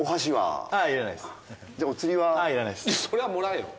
それはもらえよ！